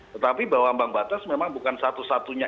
tetapi bahwa ambang batas memang bukan satu satunya